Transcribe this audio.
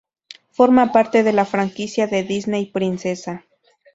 Forma parte de la franquicia de Disney Princesa.